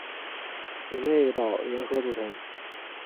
姊妹岛联合组成。